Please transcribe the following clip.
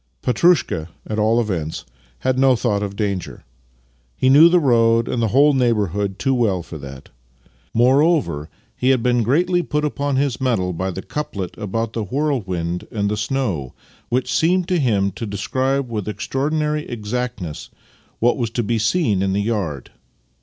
Petrushka, at all events, had no thought of danger. Pie knew the road and the whole neighbourhood too well for that. Moreover, he had been greatly put upon his mettle by the couplet about the whirlwind and the snow, which seemed to him to describe with ex traorchnary exactness what was to be seen in the yard.